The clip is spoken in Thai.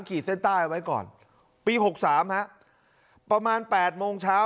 ขีดเส้นใต้ไว้ก่อนปีหกสามฮะประมาณแปดโมงเช้า